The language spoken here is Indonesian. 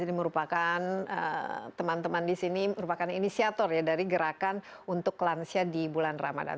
jadi merupakan teman teman di sini merupakan inisiator ya dari gerakan untuk lansia di bulan ramadhan